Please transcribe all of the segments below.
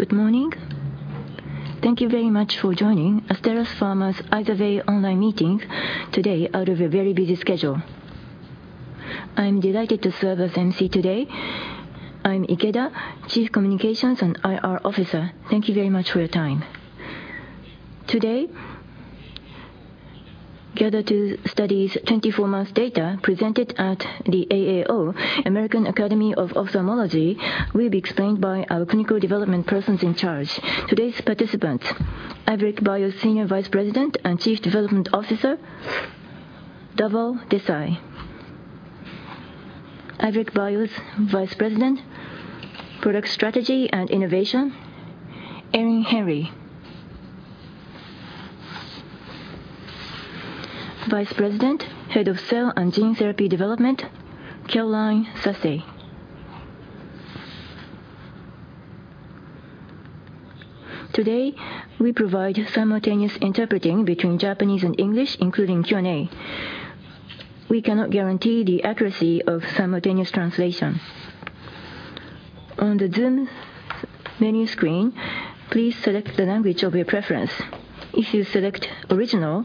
Good morning. Thank you very much for joining Astellas Pharma's IR online meeting today out of a very busy schedule. I'm delighted to serve as MC today. I'm Ikeda, Chief Communications and IR Officer. Thank you very much for your time. Today, GATHER2 study's 24-month data presented at the AAO, American Academy of Ophthalmology, will be explained by our clinical development persons in charge. Today's participants: Iveric Bio Senior Vice President and Chief Development Officer, Dhaval Desai. Iveric Bio's Vice President, Product Strategy and Innovation, Erin Henry. Vice President, Head of Cell and Gene Therapy Development, Carolyn Sasse. Today, we provide simultaneous interpreting between Japanese and English, including Q&A. We cannot guarantee the accuracy of simultaneous translation. On the Zoom menu screen, please select the language of your preference. If you select Original,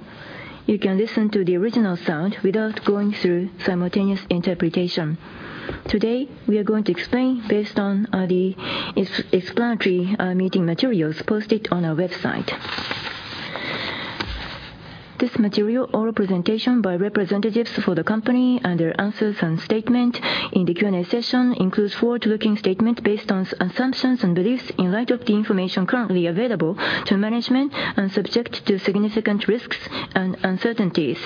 you can listen to the original sound without going through simultaneous interpretation. Today, we are going to explain based on the explanatory meeting materials posted on our website. This material, or presentation by representatives for the company and their answers and statement in the Q&A session, includes forward-looking statements based on assumptions and beliefs in light of the information currently available to management and subject to significant risks and uncertainties.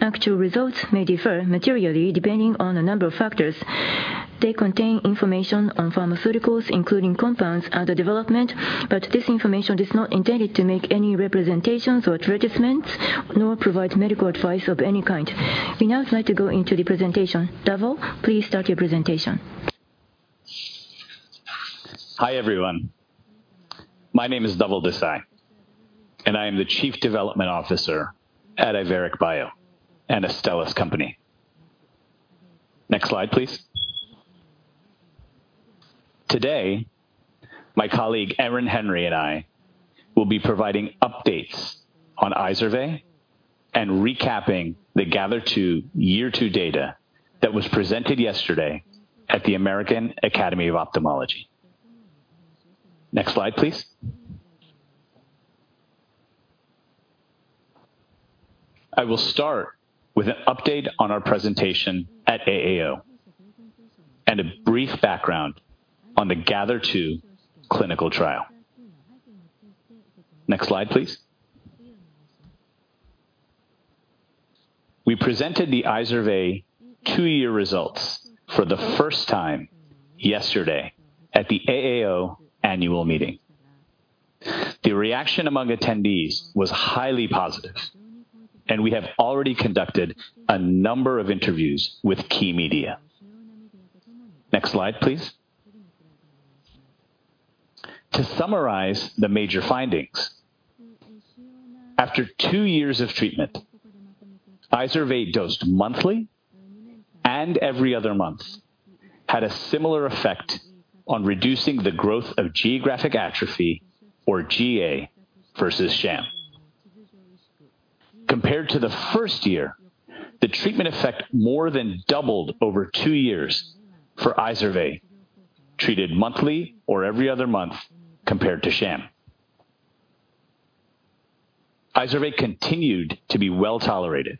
Actual results may differ materially depending on a number of factors. They contain information on pharmaceuticals, including compounds, under development, but this information is not intended to make any representations or advertisements, nor provide medical advice of any kind. We now would like to go into the presentation. Dhaval, please start your presentation. Hi, everyone. My name is Dhaval Desai, and I am the Chief Development Officer at Iveric Bio, an Astellas company. Next slide, please. Today, my colleague, Erin Henry, and I will be providing updates on IZERVAY and recapping the GATHER2 year two data that was presented yesterday at the American Academy of Ophthalmology. Next slide, please. I will start with an update on our presentation at AAO and a brief background on the GATHER2 clinical trial. Next slide, please. We presented the IZERVAY two-year results for the first time yesterday at the AAO annual meeting. The reaction among attendees was highly positive, and we have already conducted a number of interviews with key media. Next slide, please. To summarize the major findings, after two years of treatment, IZERVAY dosed monthly and every other month, had a similar effect on reducing the growth of geographic atrophy, or GA, versus sham. Compared to the first year, the treatment effect more than doubled over two years for IZERVAY, treated monthly or every other month compared to sham. IZERVAY continued to be well tolerated.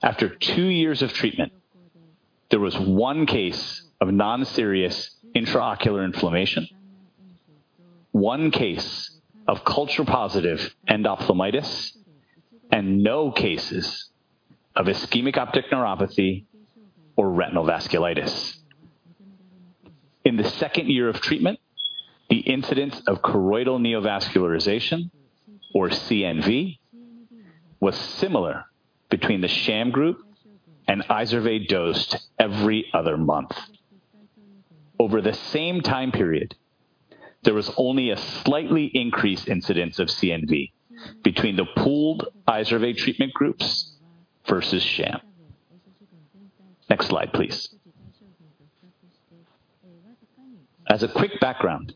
After two years of treatment, there was one case of non-serious intraocular inflammation, one case of culture-positive endophthalmitis, and no cases of ischemic optic neuropathy or retinal vasculitis. In the second year of treatment, the incidence of choroidal neovascularization, or CNV, was similar between the sham group and IZERVAY dosed every other month. Over the same time period, there was only a slightly increased incidence of CNV between the pooled IZERVAY treatment groups versus sham. Next slide, please. As a quick background,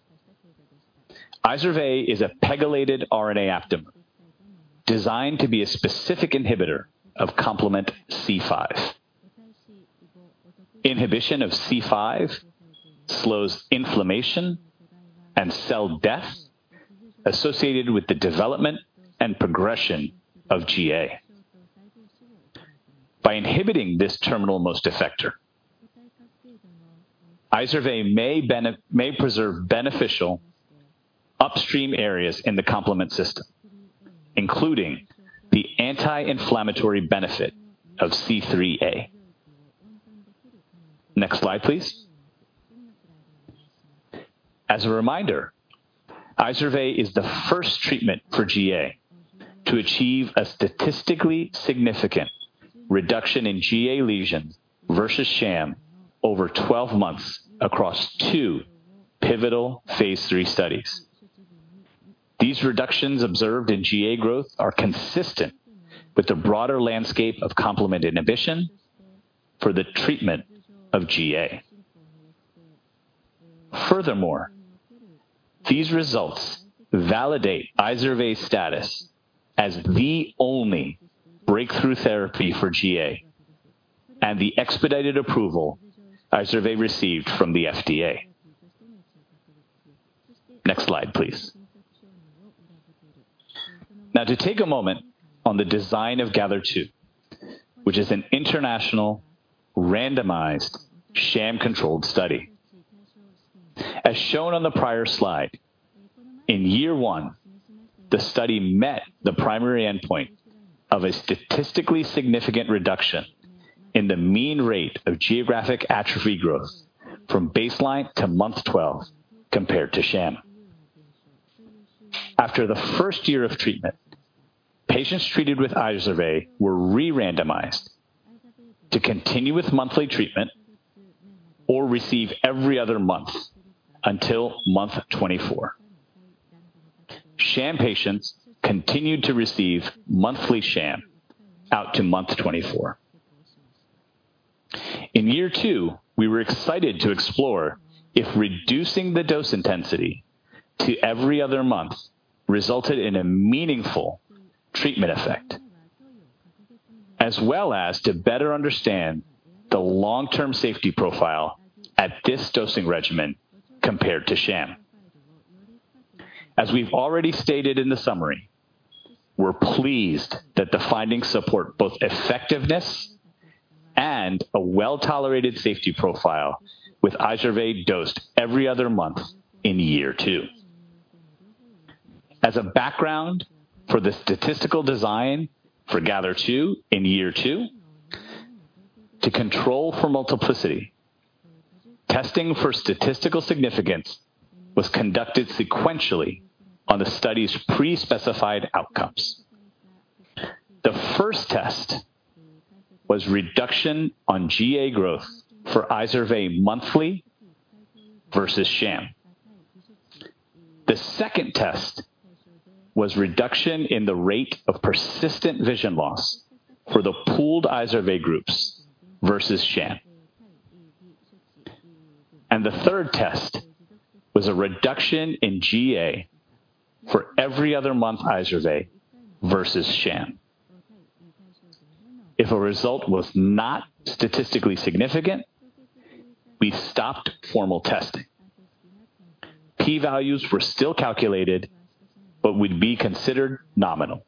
IZERVAY is a pegylated RNA aptamer designed to be a specific inhibitor of complement C5. Inhibition of C5 slows inflammation and cell death associated with the development and progression of GA. By inhibiting this terminal-most effector, IZERVAY may preserve beneficial upstream areas in the complement system, including the anti-inflammatory benefit of C3a. Next slide, please. As a reminder, IZERVAY is the first treatment for GA to achieve a statistically significant reduction in GA lesions versus sham over 12 months across two pivotal phase III studies.... These reductions observed in GA growth are consistent with the broader landscape of complement inhibition for the treatment of GA. Furthermore, these results validate IZERVAY's status as the only breakthrough therapy for GA and the expedited approval IZERVAY received from the FDA. Next slide, please. Now, to take a moment on the design of GATHER2, which is an international randomized sham-controlled study. As shown on the prior slide, in year one, the study met the primary endpoint of a statistically significant reduction in the mean rate of geographic atrophy growth from baseline to month 12 compared to sham. After the first year of treatment, patients treated with IZERVAY were re-randomized to continue with monthly treatment or receive every other month until month 24. Sham patients continued to receive monthly sham out to month 24. In year two, we were excited to explore if reducing the dose intensity to every other month resulted in a meaningful treatment effect, as well as to better understand the long-term safety profile at this dosing regimen compared to sham. As we've already stated in the summary, we're pleased that the findings support both effectiveness and a well-tolerated safety profile with IZERVAY dosed every other month in year two. As a background for the statistical design for GATHER2 in year two, to control for multiplicity, testing for statistical significance was conducted sequentially on the study's pre-specified outcomes. The first test was reduction on GA growth for IZERVAY monthly versus sham. The second test was reduction in the rate of persistent vision loss for the pooled IZERVAY groups versus sham. And the third test was a reduction in GA for every other month IZERVAY versus sham. If a result was not statistically significant, we stopped formal testing. P values were still calculated but would be considered nominal.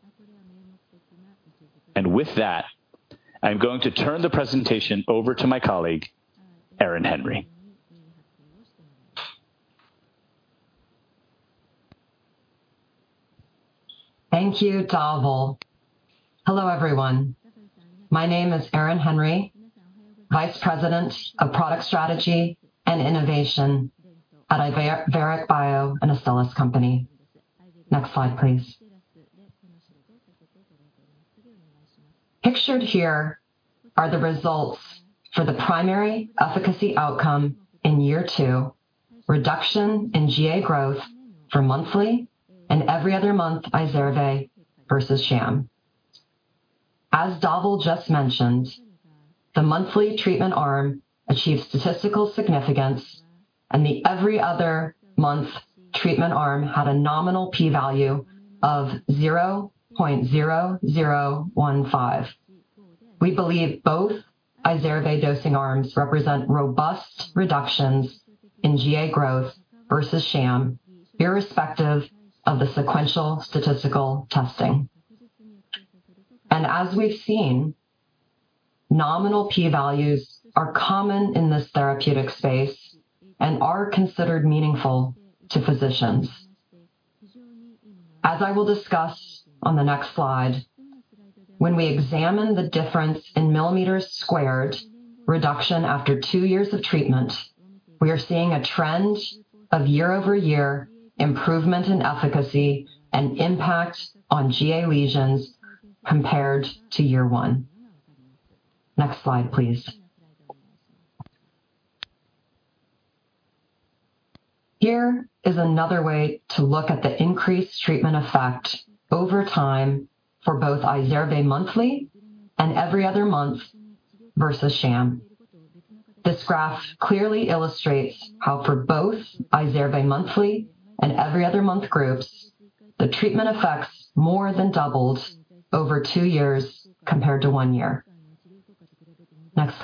And with that, I'm going to turn the presentation over to my colleague, Erin Henry. Thank you, Dhaval. Hello, everyone. My name is Erin Henry, Vice President of Product Strategy and Innovation at Iveric Bio, an Astellas company. Next slide, please. Pictured here are the results for the primary efficacy outcome in year two, reduction in GA growth for monthly and every other month IZERVAY versus sham. As Dhaval just mentioned, the monthly treatment arm achieved statistical significance, and the every other month treatment arm had a nominal p-value of 0.0015. We believe both IZERVAY dosing arms represent robust reductions in GA growth versus sham, irrespective of the sequential statistical testing. As we've seen, nominal p-values are common in this therapeutic space and are considered meaningful to physicians. As I will discuss on the next slide, when we examine the difference in millimeters squared reduction after two years of treatment, we are seeing a trend of year-over-year improvement in efficacy and impact on GA lesions compared to year one. Next slide, please. Here is another way to look at the increased treatment effect over time for both IZERVAY monthly and every other month versus sham. This graph clearly illustrates how for both IZERVAY monthly and every other month groups, the treatment effects more than doubled over two years compared to one year. Next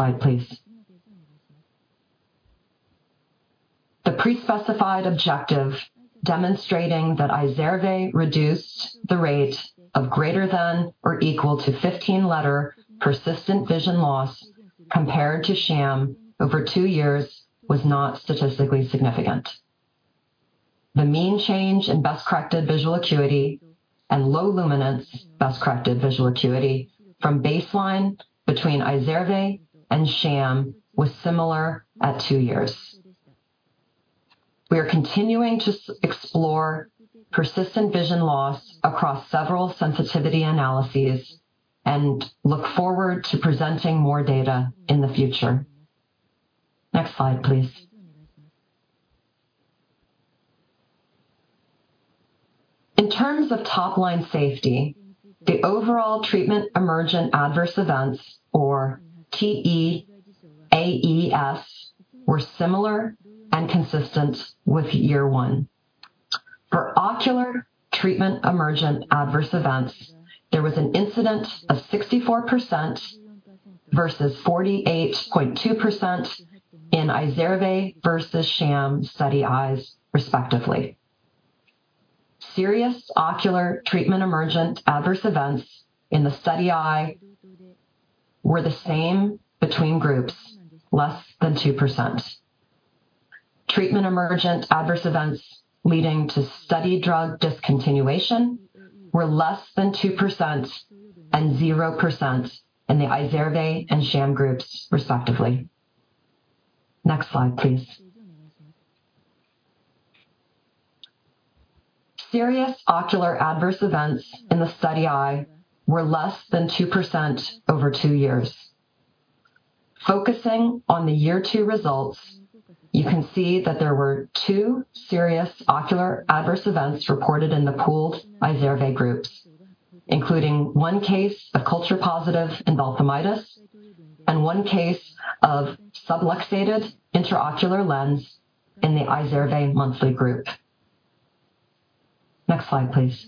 slide, please. The pre-specified objective, demonstrating that IZERVAY reduced the rate of greater than or equal to 15 letter persistent vision loss compared to sham over two years, was not statistically significant. The mean change in best-corrected visual acuity and low luminance best-corrected visual acuity from baseline between IZERVAY and sham was similar at two years. We are continuing to explore persistent vision loss across several sensitivity analyses and look forward to presenting more data in the future... Next slide, please. In terms of top line safety, the overall treatment emergent adverse events, or TEAEs, were similar and consistent with year one. For ocular treatment emergent adverse events, there was an incidence of 64% versus 48.2% in IZERVAY versus sham study eyes, respectively. Serious ocular treatment emergent adverse events in the study eye were the same between groups, less than 2%. Treatment emergent adverse events leading to study drug discontinuation were less than 2% and 0% in the IZERVAY and sham groups, respectively. Next slide, please. Serious ocular adverse events in the study eye were less than 2% over two years. Focusing on the year two results, you can see that there were two serious ocular adverse events reported in the pooled IZERVAY groups, including one case of culture-positive endophthalmitis and one case of subluxated intraocular lens in the IZERVAY monthly group. Next slide, please.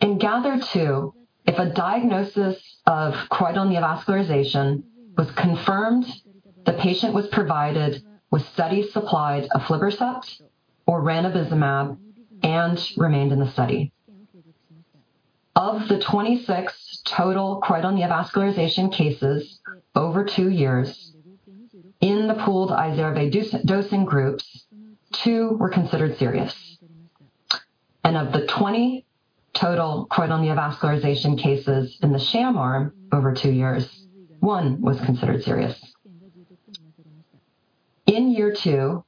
In GATHER2, if a diagnosis of choroidal neovascularization was confirmed, the patient was provided with study supplied aflibercept or ranibizumab and remained in the study. Of the 26 total choroidal neovascularization cases over two years in the pooled IZERVAY dosing groups, two were considered serious, and of the 20 total choroidal neovascularization cases in the sham arm over two years, one was considered serious. In year two,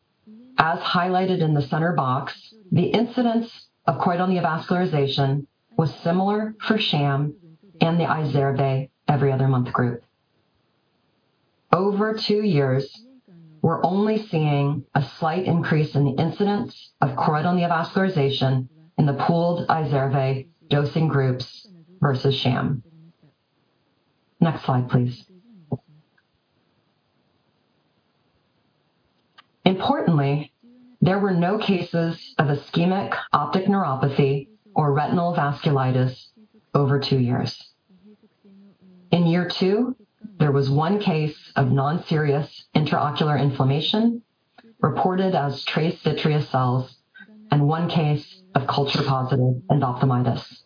as highlighted in the center box, the incidence of choroidal neovascularization was similar for sham and the IZERVAY every other month group. Over two years, we're only seeing a slight increase in the incidence of choroidal neovascularization in the pooled IZERVAY dosing groups versus sham. Next slide, please. Importantly, there were no cases of ischemic optic neuropathy or retinal vasculitis over two years. In year two, there was one case of non-serious intraocular inflammation reported as trace vitreous cells and one case of culture-positive endophthalmitis.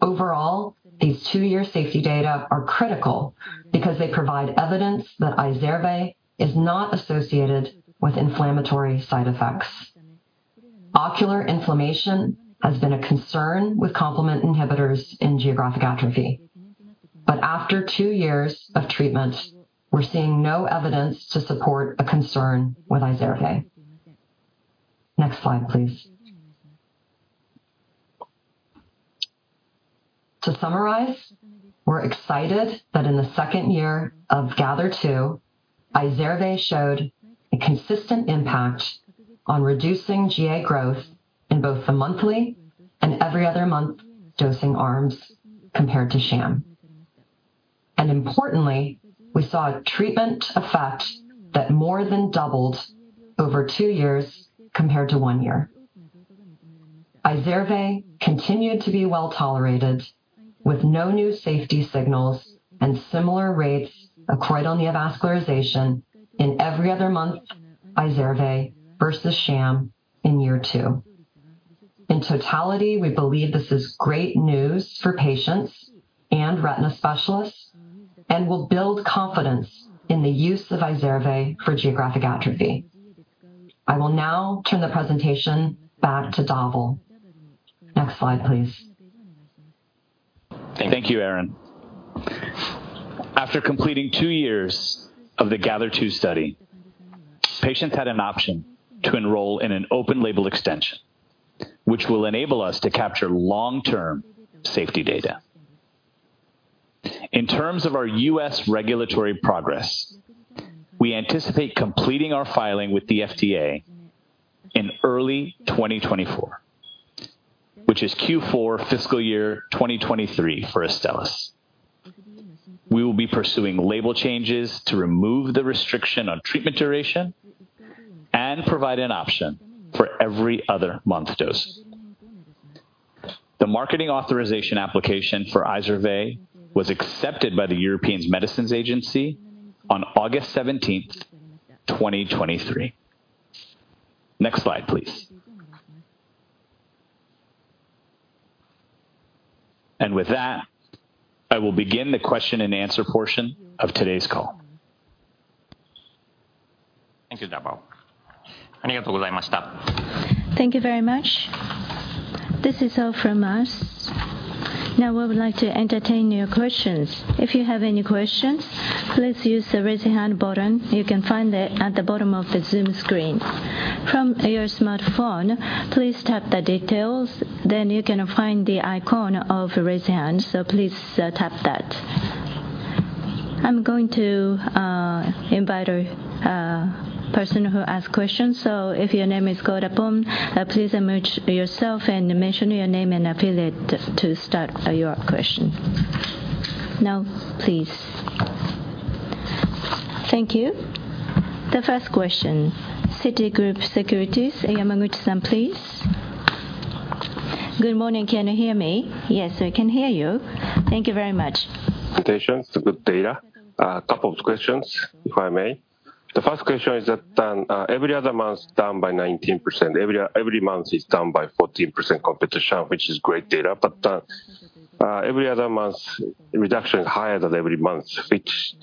Overall, these two-year safety data are critical because they provide evidence that IZERVAY is not associated with inflammatory side effects. Ocular inflammation has been a concern with complement inhibitors in geographic atrophy, but after two years of treatment, we're seeing no evidence to support a concern with IZERVAY. Next slide, please. To summarize, we're excited that in the second year of GATHER2, IZERVAY showed a consistent impact on reducing GA growth in both the monthly and every other month dosing arms compared to sham. Importantly, we saw a treatment effect that more than doubled over two years compared to one year. IZERVAY continued to be well-tolerated, with no new safety signals and similar rates of choroidal neovascularization in every other month IZERVAY versus sham in year two. In totality, we believe this is great news for patients and retina specialists and will build confidence in the use of IZERVAY for geographic atrophy. I will now turn the presentation back to Dhaval. Next slide, please. Thank you, Erin. After completing two years of the GATHER2 study, patients had an option to enroll in an open-label extension, which will enable us to capture long-term safety data. In terms of our U.S. regulatory progress, we anticipate completing our filing with the FDA in early 2024, which is Q4 fiscal year 2023 for Astellas. We will be pursuing label changes to remove the restriction on treatment duration and provide an option for every other month dose. The marketing authorization application for IZERVAY was accepted by the European Medicines Agency on August 17th, 2023. Next slide, please. And with that, I will begin the question-and-answer portion of today's call. Thank you, Dhaval. Thank you very much. This is all from us. Now, we would like to entertain your questions. If you have any questions, please use the Raise Hand button. You can find it at the bottom of the Zoom screen. From your smartphone, please tap the Details, then you can find the icon of Raise Hand, so please tap that. I'm going to invite a person who ask questions. So if your name is called upon, please emerge yourself and mention your name and affiliate to start your question. Now, please. Thank you. The first question, Citigroup Securities, Yamaguchi-san, please. Good morning. Can you hear me? Yes, I can hear you. Thank you very much.... congratulations. Good data. A couple of questions, if I may. The first question is that, every other month is down by 19%. Every month is down by 14% competition, which is great data, but, every other month's reduction is higher than every month, which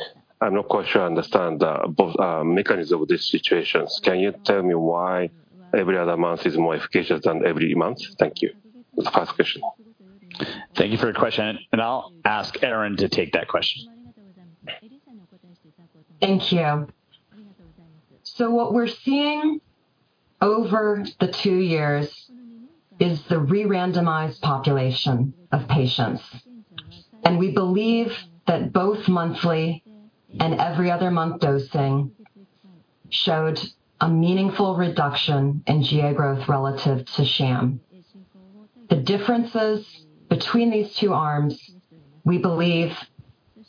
I'm not quite sure I understand, both mechanism of these situations. Can you tell me why every other month is more efficacious than every month? Thank you. That's the first question. Thank you for your question, and I'll ask Erin to take that question. Thank you. So what we're seeing over the two years is the re-randomized population of patients, and we believe that both monthly and every other month dosing showed a meaningful reduction in GA growth relative to sham. The differences between these two arms, we believe,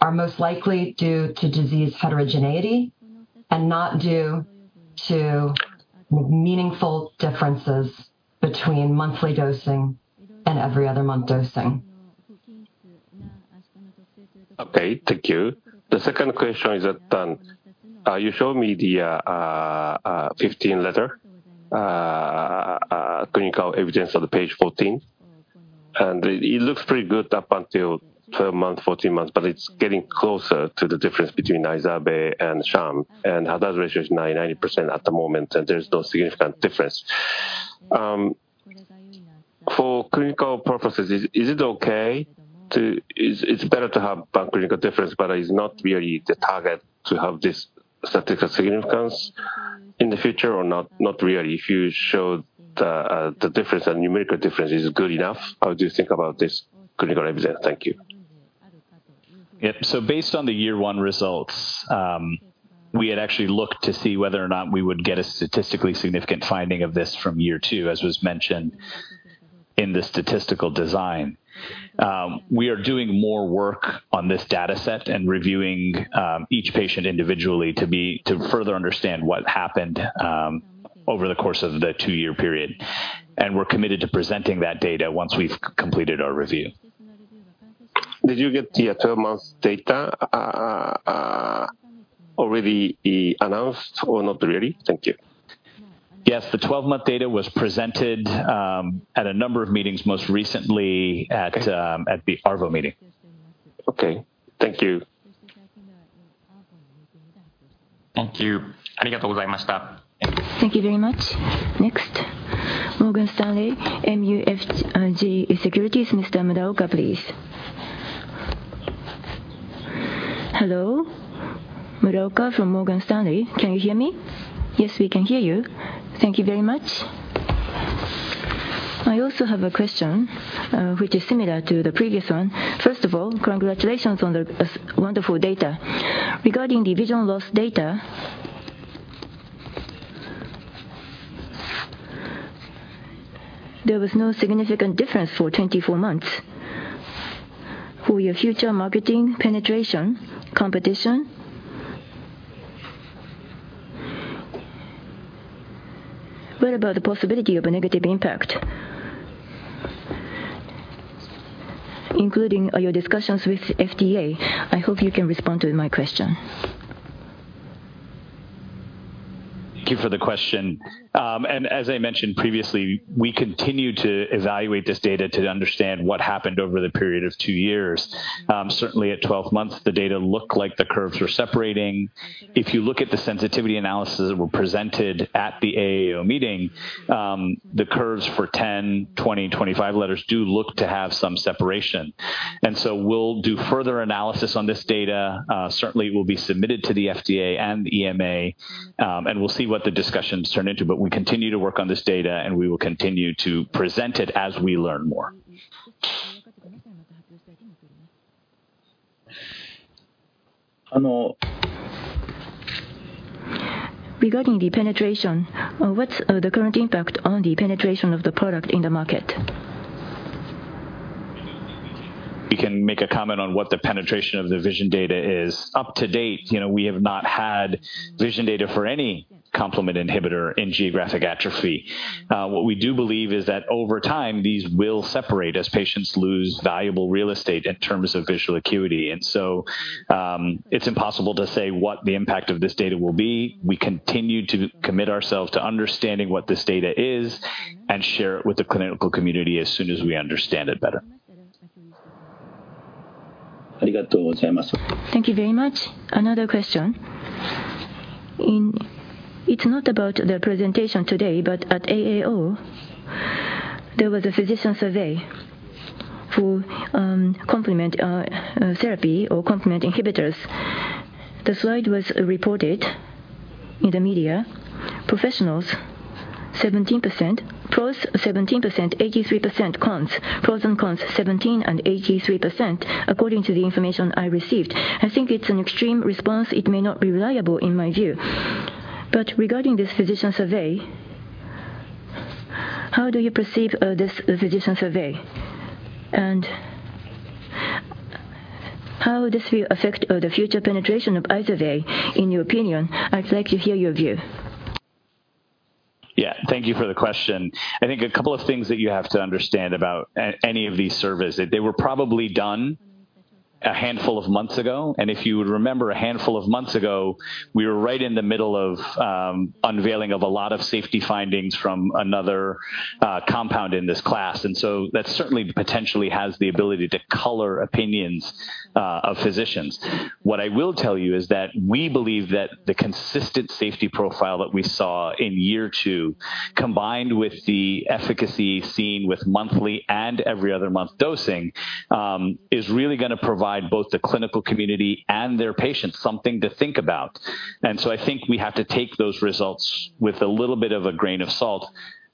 are most likely due to disease heterogeneity and not due to meaningful differences between monthly dosing and every other month dosing. Okay, thank you. The second question is that you showed me the 15-letter clinical evidence on the page 14, and it looks pretty good up until 12 months, 14 months, but it's getting closer to the difference between IZERVAY and Sham, and hazard ratio is 90, 90% at the moment, and there's no significant difference. For clinical purposes, is it okay to... It's better to have clinical difference, but is not really the target to have this statistical significance in the future or not, not really? If you show the difference, the numerical difference is good enough, how do you think about this clinical evidence? Thank you. Yep. So based on the year one results, we had actually looked to see whether or not we would get a statistically significant finding of this from year two, as was mentioned in the statistical design. We are doing more work on this dataset and reviewing each patient individually to further understand what happened over the course of the two-year period, and we're committed to presenting that data once we've completed our review. Did you get the 12-month data already announced or not really? Thank you. Yes, the 12-month data was presented, at a number of meetings, most recently at- Okay. at the ARVO meeting. Okay, thank you. Thank you. Thank you very much. Next, Morgan Stanley MUFG Securities. Mr. Muraoka, please. Hello, Muraoka from Morgan Stanley. Can you hear me? Yes, we can hear you. Thank you very much. I also have a question, which is similar to the previous one. First of all, congratulations on the wonderful data. Regarding the vision loss data, there was no significant difference for 24 months. For your future marketing penetration competition, what about the possibility of a negative impact? Including all your discussions with FDA, I hope you can respond to my question. Thank you for the question. As I mentioned previously, we continue to evaluate this data to understand what happened over the period of two years. Certainly, at 12 months, the data looked like the curves were separating. If you look at the sensitivity analysis that were presented at the AAO meeting, the curves for 10, 20, and 25 letters do look to have some separation. So we'll do further analysis on this data. Certainly, it will be submitted to the FDA and the EMA, and we'll see what the discussions turn into. We continue to work on this data, and we will continue to present it as we learn more. Regarding the penetration, what's the current impact on the penetration of the product in the market? We can make a comment on what the penetration of the vision data is. To date, you know, we have not had vision data for any complement inhibitor in geographic atrophy. What we do believe is that over time, these will separate as patients lose valuable real estate in terms of visual acuity. And so, it's impossible to say what the impact of this data will be. We continue to commit ourselves to understanding what this data is and share it with the clinical community as soon as we understand it better. Thank you very much. Thank you very much. Another question. It's not about the presentation today, but at AAO, there was a physician survey for complement therapy or complement inhibitors. The slide was reported in the media, professionals 17%, pros 17%, 83% cons. Pros and cons, 17% and 83%, according to the information I received. I think it's an extreme response. It may not be reliable, in my view. But regarding this physician survey, how do you perceive this physician survey? And how this will affect the future penetration of IZERVAY, in your opinion? I'd like to hear your view. Yeah. Thank you for the question. I think a couple of things that you have to understand about any of these surveys, that they were probably done a handful of months ago. And if you would remember, a handful of months ago, we were right in the middle of unveiling of a lot of safety findings from another compound in this class. And so that certainly potentially has the ability to color opinions of physicians. What I will tell you is that we believe that the consistent safety profile that we saw in year two, combined with the efficacy seen with monthly and every other month dosing, is really gonna provide both the clinical community and their patients something to think about. And so I think we have to take those results with a little bit of a grain of salt,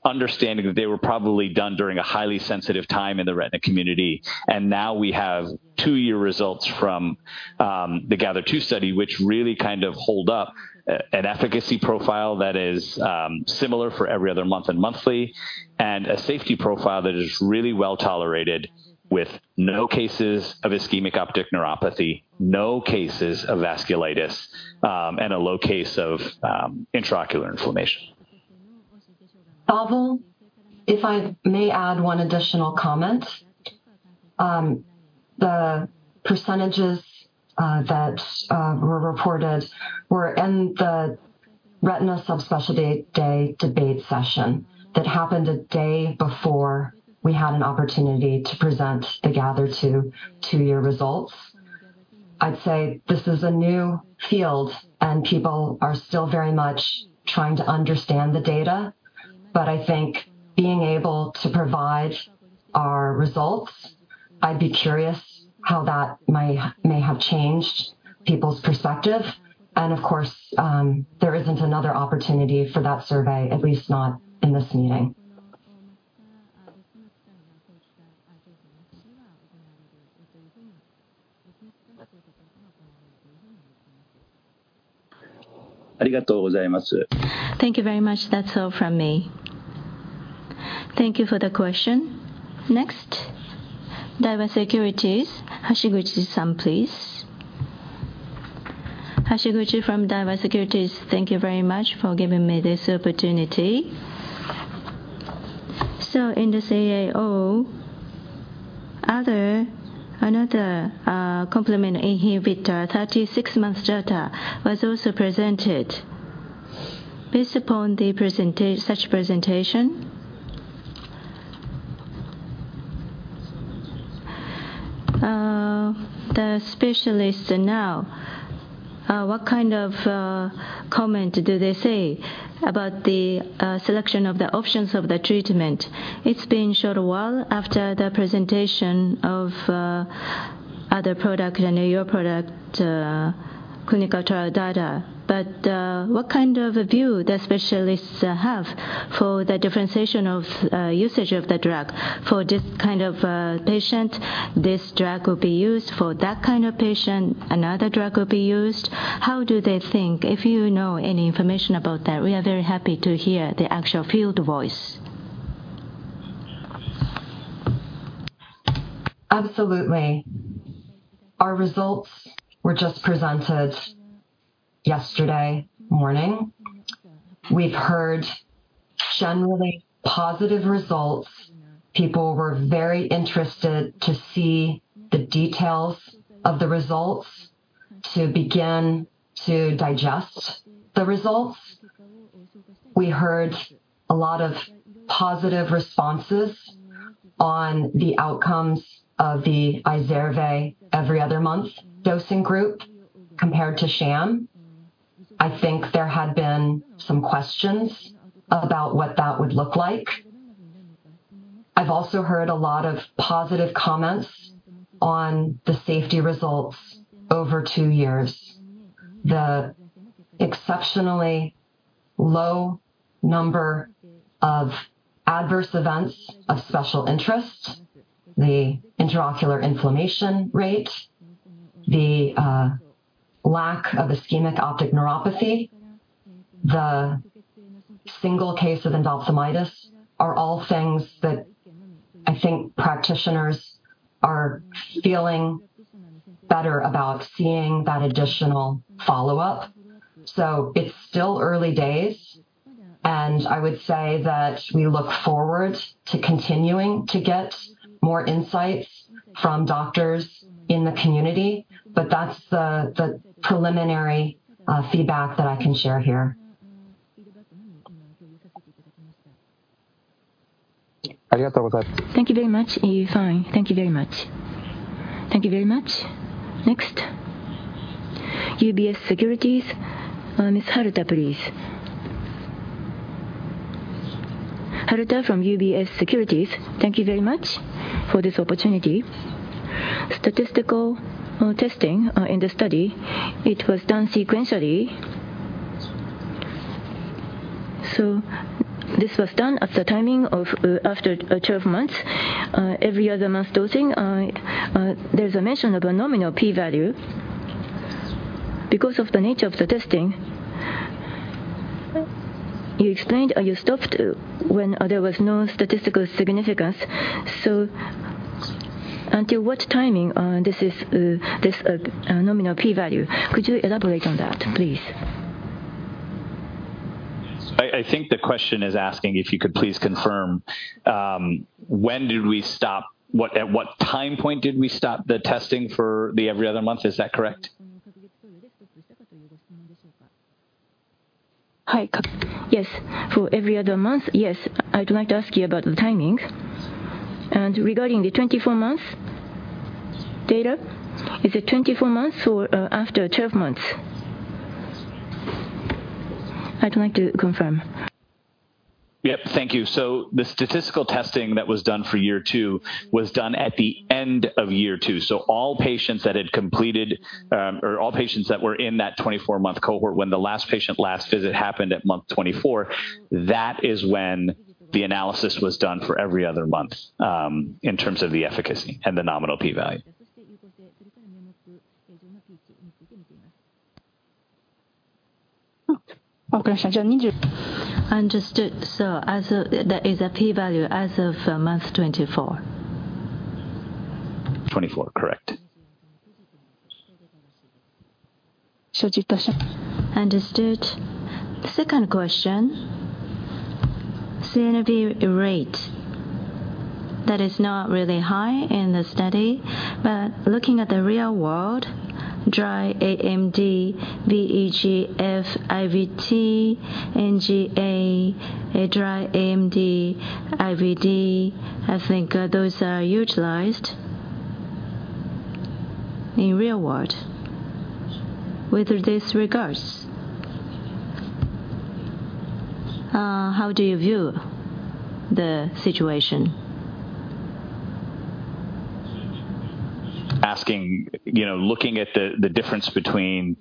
understanding that they were probably done during a highly sensitive time in the retina community. And now we have two-year results from the GATHER2 study, which really kind of hold up an efficacy profile that is similar for every other month and monthly, and a safety profile that is really well-tolerated with no cases of ischemic optic neuropathy, no cases of vasculitis, and a low case of intraocular inflammation. Dhaval, if I may add one additional comment. The percentages that were reported were in the retina subspecialty day debate session that happened a day before we had an opportunity to present the GATHER2 two-year results. I'd say this is a new field, and people are still very much trying to understand the data. But I think being able to provide our results, I'd be curious how that may have changed people's perspective. And of course, there isn't another opportunity for that survey, at least not in this meeting. Thank you very much. That's all from me. Thank you for the question. Next, Daiwa Securities, Hashiguchi-san, please. Hashiguchi from Daiwa Securities, thank you very much for giving me this opportunity. So in this AAO, another complement inhibitor, 36-month data was also presented. Based upon such presentation, the specialists now, what kind of comment do they say about the selection of the options of the treatment? It's been short a while after the presentation of other product and your product clinical trial data. What kind of a view the specialists have for the differentiation of usage of the drug? For this kind of patient, this drug will be used; for that kind of patient, another drug will be used. How do they think? If you know any information about that, we are very happy to hear the actual field voice. Absolutely. Our results were just presented yesterday morning. We've heard generally positive results. People were very interested to see the details of the results, to begin to digest the results. We heard a lot of positive responses on the outcomes of the IZERVAY every other month dosing group compared to sham. I think there had been some questions about what that would look like. I've also heard a lot of positive comments on the safety results over two years. The exceptionally low number of adverse events of special interest, the intraocular inflammation rate, the lack of ischemic optic neuropathy, the single case of endophthalmitis, are all things that I think practitioners are feeling better about seeing that additional follow-up. It's still early days, and I would say that we look forward to continuing to get more insights from doctors in the community, but that's the preliminary feedback that I can share here. Thank you very much. Fine. Thank you very much. Thank you very much. Next, UBS Securities, Ms. Haruta, please.... Haruta from UBS Securities. Thank you very much for this opportunity. Statistical testing in the study, it was done sequentially. So this was done at the timing of after 12 months every other month dosing. There's a mention of a nominal P value. Because of the nature of the testing, you explained and you stopped when there was no statistical significance. So until what timing is this nominal p-value? Could you elaborate on that, please? I think the question is asking if you could please confirm, at what time point did we stop the testing for the every other month? Is that correct? Hi. Yes. For every other month, yes. I'd like to ask you about the timing. Regarding the 24 months data, is it 24 months or after 12 months? I'd like to confirm. Yep, thank you. So the statistical testing that was done for year 2 was done at the end of year 2. So all patients that had completed, or all patients that were in that 24-month cohort, when the last patient last visit happened at month 24, that is when the analysis was done for every other month, in terms of the efficacy and the nominal p-value. Understood. So as of, that is a p-value as of month 24. Twenty-four, correct. Understood. Second question. CNV rate, that is not really high in the study, but looking at the real world, dry AMD, VEGF, IVT, GA, a dry AMD, IVT, I think, those are utilized in real world. With these regards, how do you view the situation? Asking, you know, looking at the difference between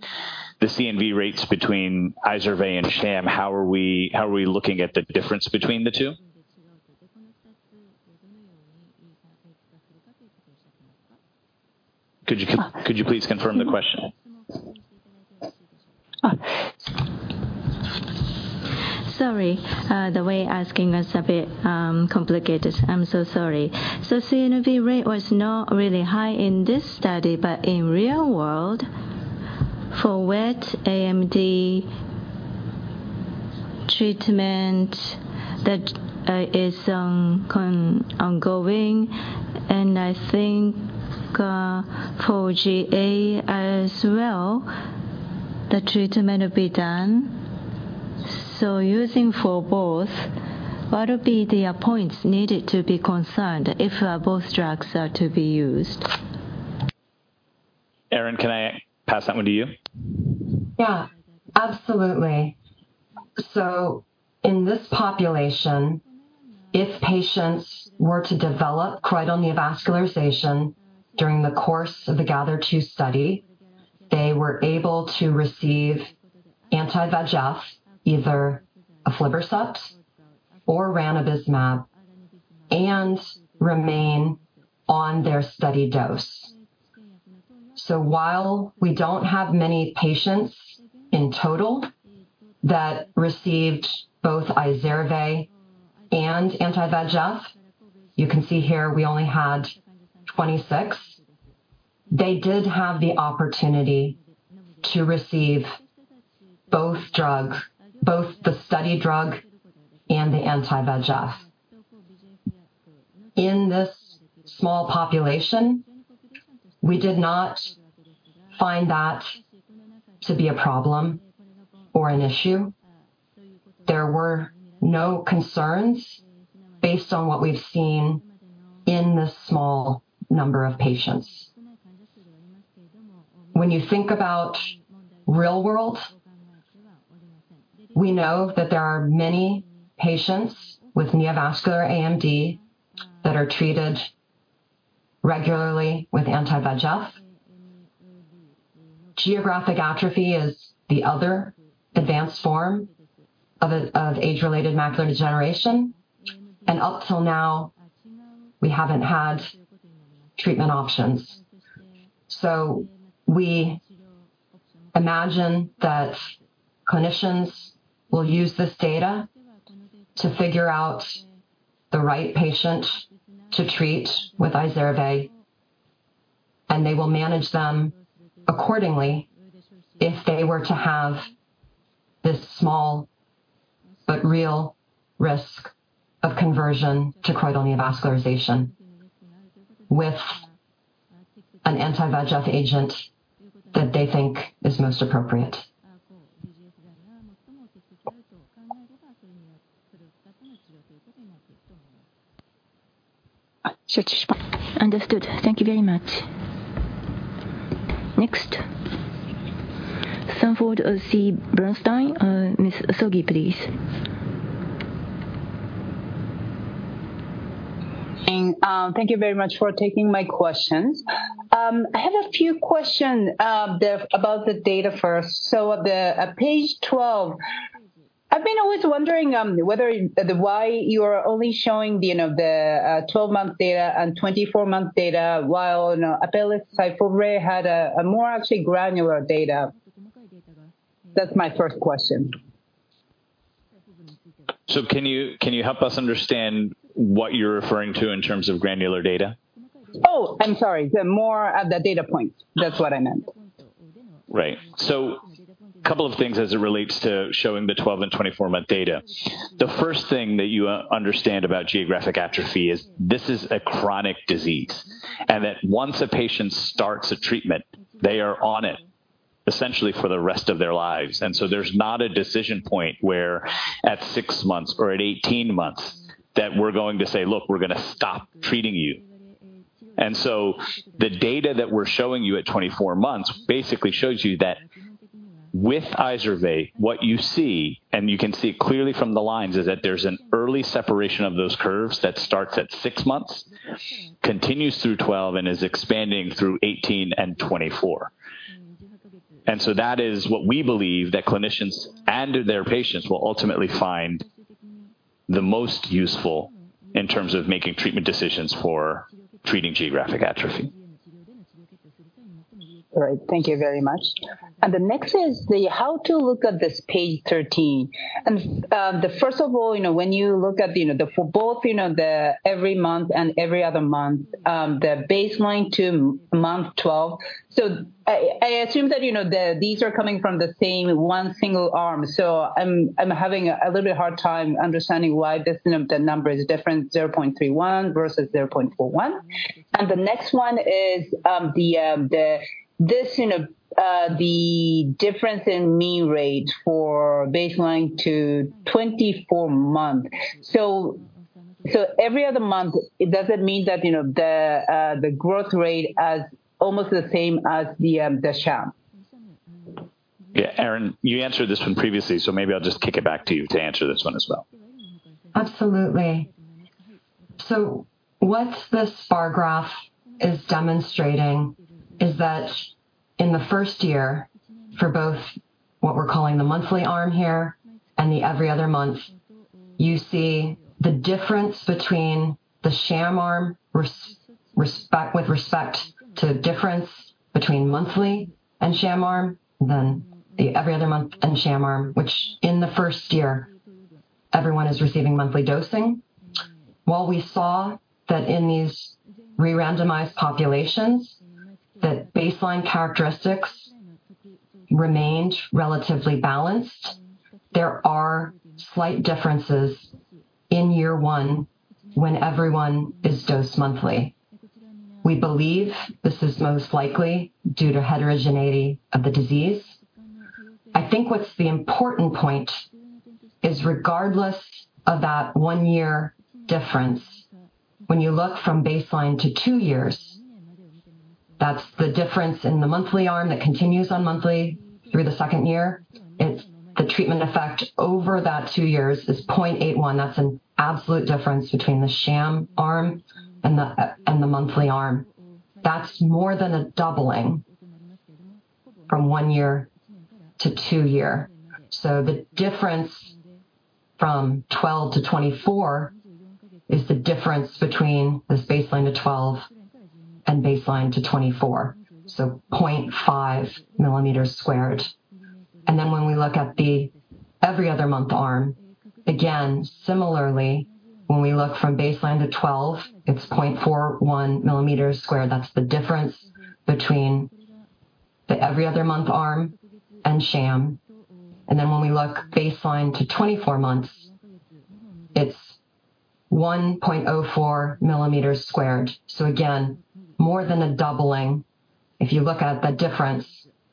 the CNV rates between IZERVAY and sham, how are we looking at the difference between the two? Could you please confirm the question? Sorry, the way asking is a bit complicated. I'm so sorry. So CNV rate was not really high in this study, but in real world, for wet AMD treatment that is ongoing, and I think, for GA as well, the treatment will be done. So using for both, what would be the points needed to be concerned if both drugs are to be used? Erin, can I pass that one to you? Yeah, absolutely. So in this population, if patients were to develop choroidal neovascularization during the course of the GATHER2 study, they were able to receive anti-VEGF, either aflibercept or ranibizumab, and remain on their study dose. So while we don't have many patients in total that received both IZERVAY and anti-VEGF, you can see here we only had 26. They did have the opportunity to receive both drugs, both the study drug and the anti-VEGF. In this small population, we did not find that to be a problem or an issue. There were no concerns based on what we've seen in this small number of patients. When you think about real world, we know that there are many patients with neovascular AMD that are treated regularly with anti-VEGF. Geographic atrophy is the other advanced form of age-related macular degeneration, and up till now, we haven't had treatment options. So we imagine that clinicians will use this data to figure out the right patient to treat with IZERVAY, and they will manage them accordingly if they were to have this small but real risk of conversion to choroidal neovascularization with Anti-VEGF agent that they think is most appropriate. ... Understood. Thank you very much. Next, Sanford C. Bernstein, Ms. Sogi, please. Thank you very much for taking my questions. I have a few questions about the data first. Page 12, I've been always wondering why you are only showing the, you know, 12-month data and 24-month data, while, you know, Apellis SYFOVRE had a more actually granular data. That's my first question. So can you help us understand what you're referring to in terms of granular data? Oh, I'm sorry. The more, the data points. That's what I meant. Right. So a couple of things as it relates to showing the 12- and 24-month data. The first thing that you understand about geographic atrophy is this is a chronic disease, and that once a patient starts a treatment, they are on it essentially for the rest of their lives. And so there's not a decision point where at 6 months or at 18 months, that we're going to say, "Look, we're gonna stop treating you." And so the data that we're showing you at 24 months basically shows you that with IZERVAY, what you see, and you can see it clearly from the lines, is that there's an early separation of those curves that starts at 6 months, continues through 12, and is expanding through 18 and 24. And so that is what we believe that clinicians and their patients will ultimately find the most useful in terms of making treatment decisions for treating geographic atrophy. All right. Thank you very much. And the next is the how to look at this page 13. And, the first of all, you know, when you look at, you know, the, for both, you know, the every month and every other month, the baseline to month 12. So I, I assume that, you know, the, these are coming from the same one single arm, so I'm, I'm having a, a little bit hard time understanding why this, the number is different, 0.31 versus 0.41. And the next one is, the, the, this, you know, the difference in mean rate for baseline to 24-month. So, so every other month, it doesn't mean that, you know, the, the growth rate as almost the same as the, the sham? Yeah. Erin, you answered this one previously, so maybe I'll just kick it back to you to answer this one as well. Absolutely. So what this bar graph is demonstrating is that in the first year, for both what we're calling the monthly arm here and the every other month, you see the difference between the sham arm respectively with respect to difference between monthly and sham arm, then the every other month and sham arm, which in the first year, everyone is receiving monthly dosing. While we saw that in these re-randomized populations, that baseline characteristics remained relatively balanced, there are slight differences in year one when everyone is dosed monthly. We believe this is most likely due to heterogeneity of the disease. I think what's the important point is regardless of that one-year difference, when you look from baseline to two years, that's the difference in the monthly arm that continues on monthly through the second year. It's the treatment effect over that two years is 0.81. That's an absolute difference between the sham arm and the monthly arm. That's more than a doubling from one year to two year. So the difference from 12 to 24 is the difference between this baseline to 12 and baseline to 24, so 0.5 mm². And then when we look at the every other month arm, again, similarly, when we look from baseline to 12, it's 0.41 mm². That's the difference between the every other month arm and sham. And then when we look baseline to 24 months, it's 1.04 mm². So again, more than a doubling. If you look at the difference,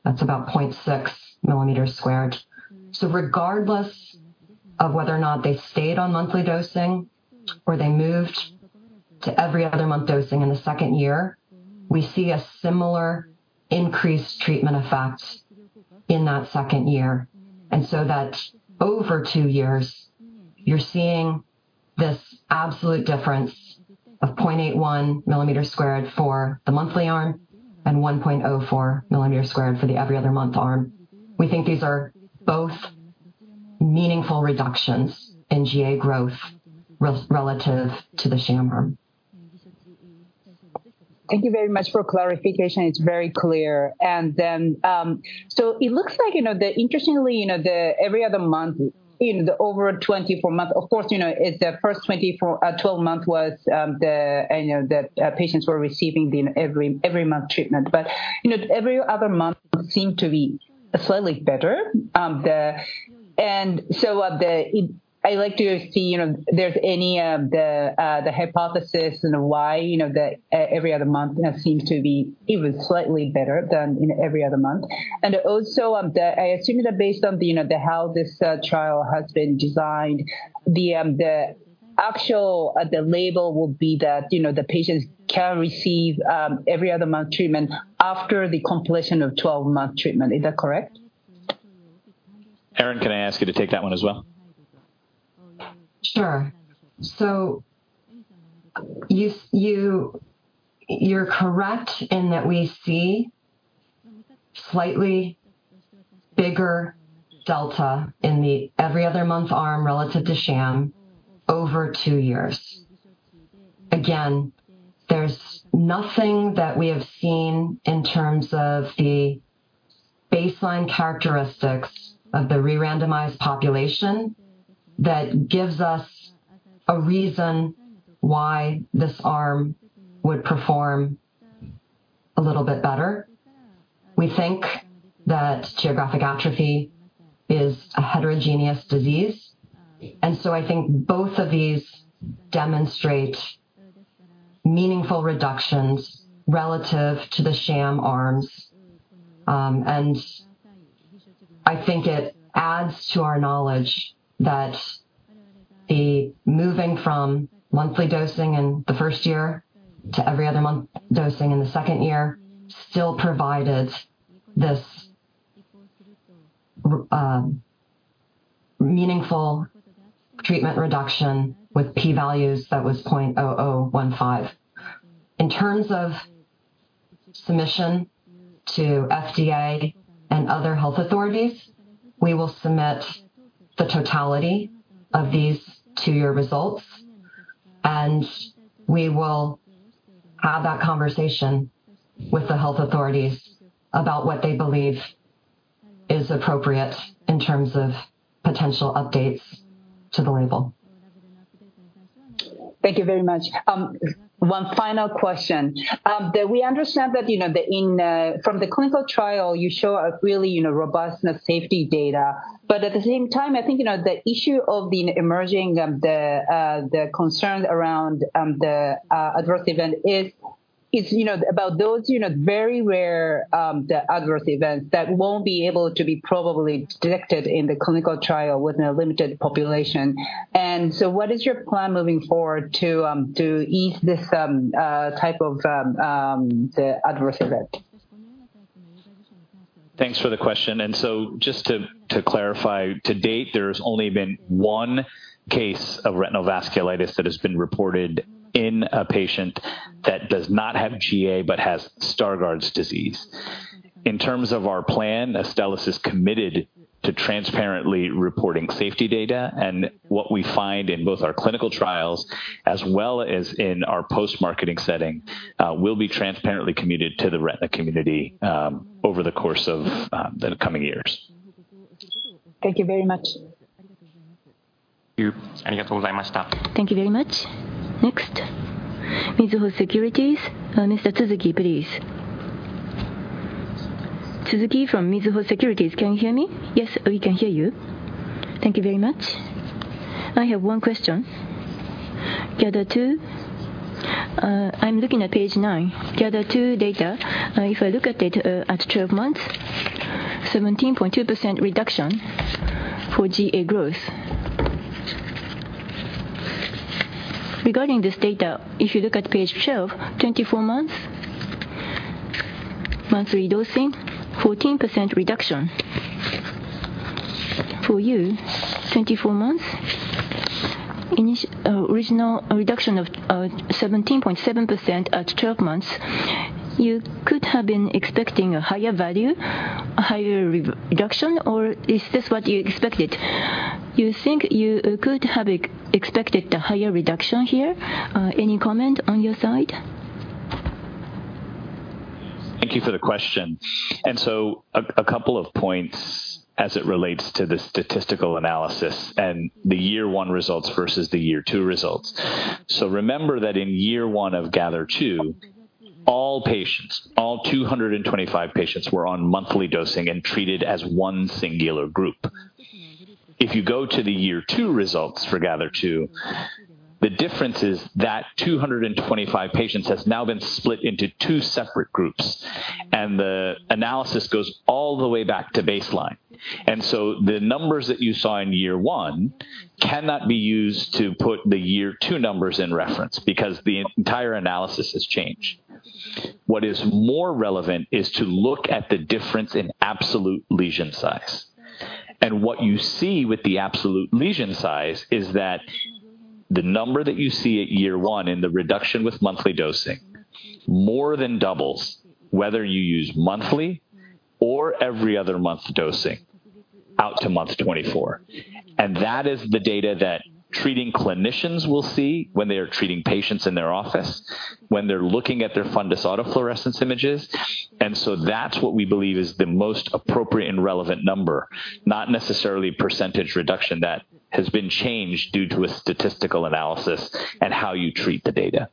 that's about 0.6 mm². So regardless of whether or not they stayed on monthly dosing or they moved to every other month dosing in the second year, we see a similar increased treatment effect in that second year. And so that over two years, you're seeing this absolute difference of 0.81 mm² for the monthly arm and 1.04 mm² for the every other month arm. We think these are both meaningful reductions in GA growth relative to the sham arm. Thank you very much for clarification. It's very clear. And then, so it looks like, you know, interestingly, you know, the every other month, in the over 24-month, of course, you know, it's the first 24, 12-month was, you know, the patients were receiving the every month treatment. But, you know, every other month seem to be slightly better. And so, I like to see, you know, if there's any hypothesis and why, you know, the every other month seems to be even slightly better than, you know, every other month. And also, I assume that based on the, you know, how this trial has been designed, the... Actually, you know, the patients can receive every other month treatment after the completion of 12-month treatment. Is that correct? Erin, can I ask you to take that one as well? Sure. So you're correct in that we see slightly bigger delta in the every other month arm relative to sham over two years. Again, there's nothing that we have seen in terms of the baseline characteristics of the re-randomized population that gives us a reason why this arm would perform a little bit better. We think that geographic atrophy is a heterogeneous disease, and so I think both of these demonstrate meaningful reductions relative to the sham arms. And I think it adds to our knowledge that moving from monthly dosing in the first year to every other month dosing in the second year still provided this meaningful treatment reduction with p-values that was 0.0015. In terms of submission to FDA and other health authorities, we will submit the totality of these two-year results, and we will have that conversation with the health authorities about what they believe is appropriate in terms of potential updates to the label. Thank you very much. One final question. That we understand that, you know, the in... From the clinical trial you show a really, you know, robustness safety data. But at the same time, I think, you know, the issue of the emerging, the concern around, the adverse event is, is, you know, about those, you know, very rare, the adverse events that won't be able to be probably detected in the clinical trial within a limited population. And so what is your plan moving forward to ease this type of the adverse event? Thanks for the question. And so just to clarify, to date, there has only been one case of retinal vasculitis that has been reported in a patient that does not have GA, but has Stargardt's disease. In terms of our plan, Astellas is committed to transparently reporting safety data, and what we find in both our clinical trials as well as in our post-marketing setting will be transparently committed to the retina community over the course of the coming years. Thank you very much. Thank you very much. Next, Mizuho Securities, Mr. Suzuki, please. Suzuki from Mizuho Securities, can you hear me? Yes, we can hear you. Thank you very much. I have one question. GATHER2. I'm looking at page 9, GATHER2 data. If I look at it, at 12 months, 17.2% reduction for GA growth. Regarding this data, if you look at page 12, 24 months, monthly dosing, 14% reduction. For you, 24 months, original reduction of, 17.7% at 12 months, you could have been expecting a higher value, a higher reduction, or is this what you expected? You think you could have expected a higher reduction here? Any comment on your side? Thank you for the question. So a couple of points as it relates to the statistical analysis and the year one results versus the year two results. Remember that in year one of GATHER2, all patients, all 225 patients, were on monthly dosing and treated as one singular group. If you go to the year two results for GATHER2, the difference is that 225 patients has now been split into two separate groups, and the analysis goes all the way back to baseline. So the numbers that you saw in year one cannot be used to put the year two numbers in reference, because the entire analysis has changed. What is more relevant is to look at the difference in absolute lesion size. What you see with the absolute lesion size is that the number that you see at year one in the reduction with monthly dosing, more than doubles, whether you use monthly or every other month dosing out to month 24. That is the data that treating clinicians will see when they are treating patients in their office, when they're looking at their fundus autofluorescence images. So that's what we believe is the most appropriate and relevant number, not necessarily percentage reduction that has been changed due to a statistical analysis and how you treat the data.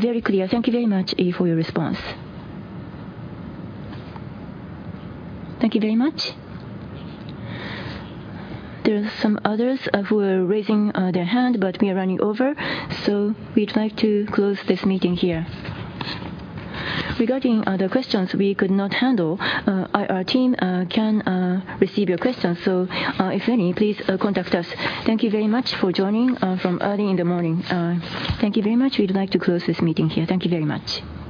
Very clear. Thank you very much for your response. Thank you very much. There are some others who are raising their hand, but we are running over, so we'd like to close this meeting here. Regarding other questions we could not handle, our team can receive your questions. So, if any, please contact us. Thank you very much for joining from early in the morning. Thank you very much. We'd like to close this meeting here. Thank you very much.